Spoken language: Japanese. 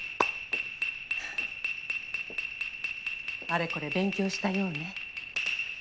・あれこれ勉強したようね。